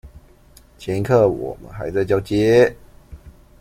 前一刻我們還在交接